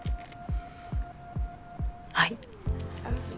はい。